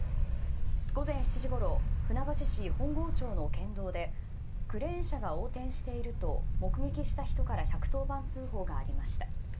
午前７時ごろ、船橋市本郷町の県道で、クレーン車が横転していると、目撃した人から１１０番通報がありました。